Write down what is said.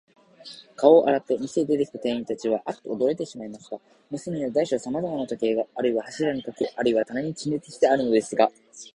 顔を洗って、店へ出てきた店員たちは、アッとおどろいてしまいました。店には大小さまざまの時計が、あるいは柱にかけ、あるいは棚に陳列してあるのですが、